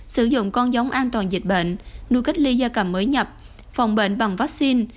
sử dụng con giống an toàn dịch bệnh nuôi cách ly da cầm mới nhập phòng bệnh bằng vaccine